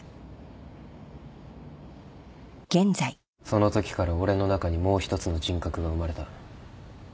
そのときから俺の中にもう一つの人格が生まれた。